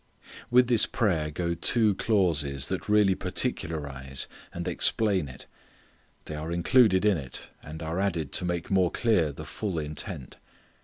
With this prayer go two clauses that really particularize and explain it. They are included in it, and are added to make more clear the full intent.